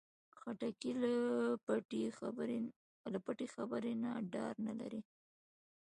خټکی له پټې خبرې نه ډار نه لري.